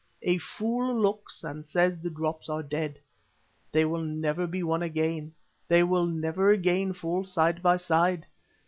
A fool looks and says the drops are dead, they will never be one again, they will never again fall side by side.